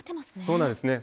そうなんですね。